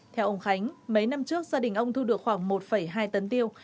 theo ông khánh mấy năm trước gia đình ông thu được khoảng một hai tấn tiêu